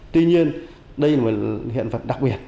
tuy nhiên đây là một hiện vật đặc biệt